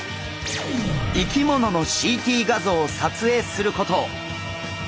生き物のＣＴ画像を撮影すること。